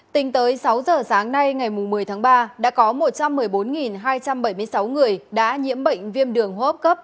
tính tới sáu giờ sáng nay ngày một mươi tháng ba đã có một trăm một mươi bốn hai trăm bảy mươi sáu người đã nhiễm bệnh viêm đường hô hấp cấp